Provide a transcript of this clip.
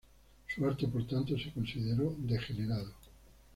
Su arte, por tanto, se consideró "degenerado".